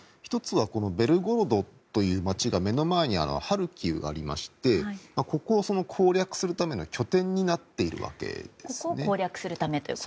１つは、ベルゴロドという街が目の前にハルキウがありましてここを攻略するための拠点になっているわけですよね。